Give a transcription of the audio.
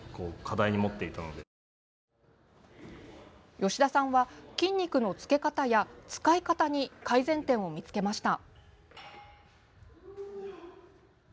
吉田さんは筋肉のつけ方や使い方に改善点を見つけました。